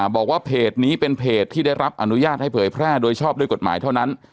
บอกว่าเพจนี้เป็นเพจที่ได้รับอนุญาตให้เผยแพร่โดยชอบด้วยกฎหมายเท่านั้น